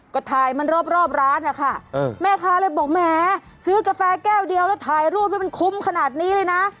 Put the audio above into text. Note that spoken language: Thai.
ก็ถ่ายมันรอบร้านนะคะแม่ค้าเลยบอกแหมซื้อกาแฟแก้วเดียวแล้วถ่ายรูปให้มันคุ้มขนาดนี้เลยนะ